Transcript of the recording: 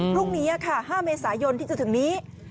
พรุ่งนี้ค่ะ๕เมษายนที่จะถึงนี้